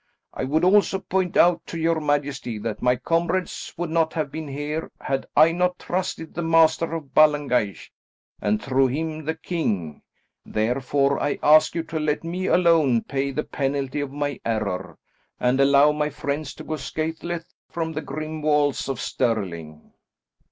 I would also point out to your majesty that my comrades would not have been here had I not trusted the Master of Ballengeich, and through him the king, therefore, I ask you to let me alone pay the penalty of my error, and allow my friends to go scatheless from the grim walls of Stirling."